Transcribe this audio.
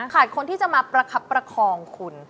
คนที่จะมาประคับประคองคุณ